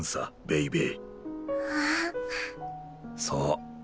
そう。